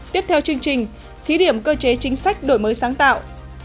tiếp theo chương trình thí điểm cơ chế chính sách đổi mới sáng tạo